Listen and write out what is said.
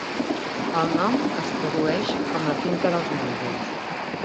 El nom es tradueix com "la finca dels monjos".